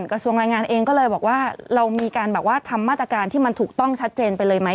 กระทรวงรายงานเองก็เลยบอกว่าเรามีการแบบว่าทำมาตรการที่มันถูกต้องชัดเจนไปเลยไหม